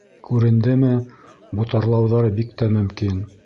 Күрендеме, ботарлауҙары бик тә мөмкин.